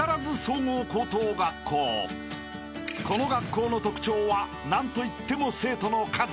［この学校の特徴は何といっても生徒の数］